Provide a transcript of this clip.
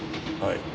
はい。